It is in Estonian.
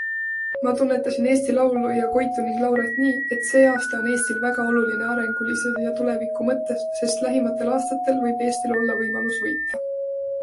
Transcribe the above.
Ma tunnetasin Eesti laulu ja Koitu ning Laurat nii, et see aasta on Eestil väga oluline arengulises ja tuleviku mõttes, sest lähimatel aastatel võib Eestil olla võimalus võita.